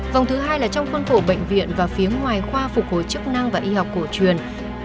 vòng thứ hai là trong khuôn khổ bệnh viện và phía ngoài khoa phục hồi chức năng và y học cổ truyền